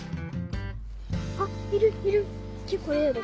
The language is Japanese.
あっいるいる！